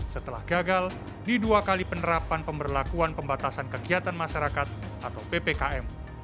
setelah gagal di dua kali penerapan pemberlakuan pembatasan kegiatan masyarakat atau ppkm